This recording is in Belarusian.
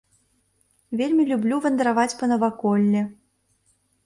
Вельмі люблю вандраваць па наваколлі.